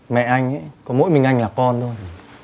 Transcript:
mẹ anh có mỗi mình anh là con thôi